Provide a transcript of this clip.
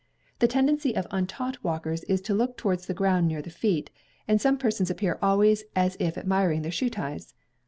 The tendency of untaught walkers is to look towards the ground near the feet; and some persons appear always as if admiring their shoe ties.